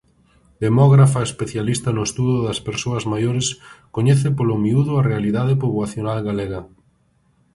Demógrafa especialista no estudo das persoas maiores coñece polo miúdo a realidade poboacional galega.